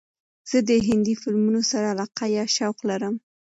زه د هندې فیلمونو سره علاقه یا شوق لرم.